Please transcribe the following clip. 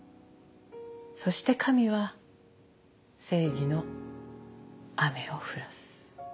そして神は正義の雨を降らす。